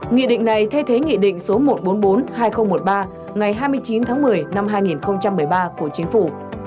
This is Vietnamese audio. nghị định này thay thế nghị định số một trăm bốn mươi bốn hai nghìn một mươi ba ngày hai mươi chín tháng một mươi năm hai nghìn một mươi ba của chính phủ